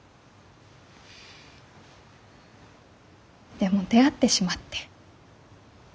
でも出会ってしまって。